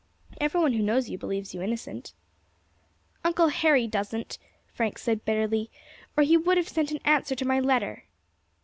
Every one who knows you believes you innocent." "Uncle Harry doesn't," Frank said bitterly, "or he would have sent an answer to my letter."